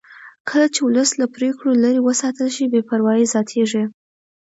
کله چې ولس له پرېکړو لرې وساتل شي بې باوري زیاتېږي